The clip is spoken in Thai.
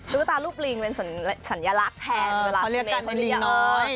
ตุ๊กกะตารูปลิงเป็นสัญลักษณ์แทนเวลาเมนต์เขาเรียกอย่างน้อย